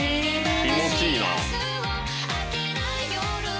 気持ちいいな。